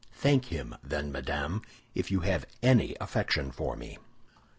Thank him, then, madame, if you have any affection for me."